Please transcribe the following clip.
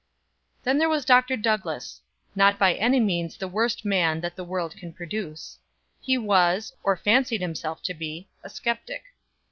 Then there was Dr. Douglass not by any means the worst man that the world can produce. He was, or fancied himself to be, a skeptic.